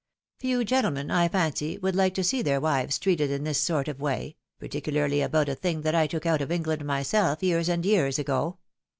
Few gentlemen, I fancy, would Uke to see their wives treated in this sort of way, particularly about a thing that I took out of England myself, years and years ago.